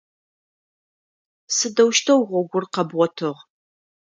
Сыдэущтэу гъогур къэбгъотыгъ?